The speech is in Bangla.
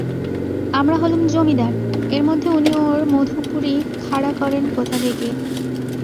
আমরা হলুম জমিদার, এর মধ্যে উনি ওঁর মধুপুরী খাড়া করেন কোথা থেকে?